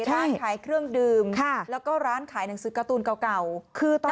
ร้านขายเครื่องดื่มแล้วก็ร้านขายหนังสือการ์ตูนเก่า